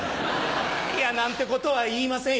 いやなんてことは言いませんよ。